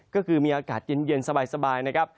ก็คือมีอากาศเย็นสบายนะครับ